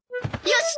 よし！